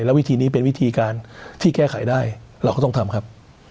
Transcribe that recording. และวิธีนี้เป็นวิธีการที่แก้ไขได้เราก็ต้องทำครับ